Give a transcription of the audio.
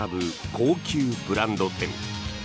高級ブランド店。